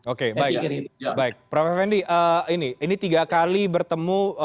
oke baik baik prof effendi ini tiga kali bertemu